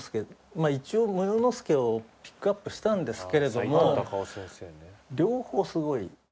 まあ一応『無用ノ介』をピックアップしたんですけれども両方すごい。